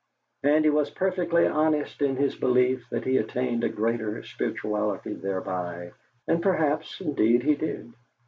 And he was perfectly honest in his belief that he attained a greater spirituality thereby, and perhaps indeed he did.